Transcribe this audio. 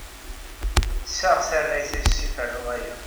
Sɛiɣ tarrayt ayyes ferruɣ aya.